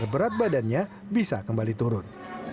badannya bisa kembali turun